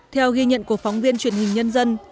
theo ghi nhận của phóng viên truyền hình nhân dân